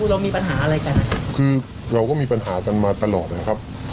เรามีปัญหาอะไรกันนะครับคือเราก็มีปัญหากันมาตลอดนะครับ